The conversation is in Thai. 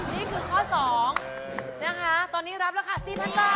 นี่คือข้อสองนะคะตอนนี้รับราคาสี่พันบาท